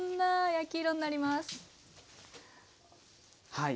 はい。